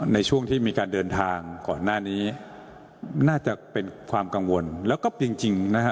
ในช่วงที่มีการเดินทางก่อนหน้านี้น่าจะเป็นความกังวลแล้วก็จริงจริงนะฮะ